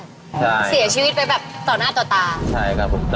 ที่เสียครับใช่ไหมครับใช่ไหมครับใช่ไหมครับใช่ไหมครับใช่ไหมครับ